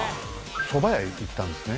そば屋へ行ったんですね